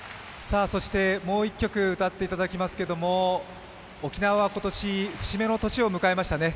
もう１曲歌っていただきますけれども、沖縄は今年節目の年を迎えましたね。